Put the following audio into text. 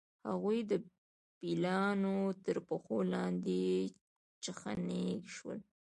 هغوی د پیلانو تر پښو لاندې چخڼي شول.